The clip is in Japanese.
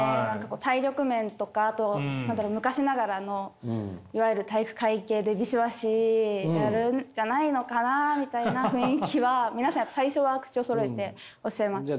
体力面とかあと昔ながらのいわゆる体育会系でビシバシやるんじゃないのかなみたいな雰囲気は皆さん最初は口をそろえておっしゃいます。